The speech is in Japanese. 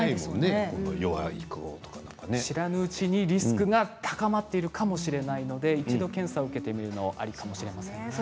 知らぬうちにリスクが高まっているかもしれないので一度検査をしておくといいかもしれませんね。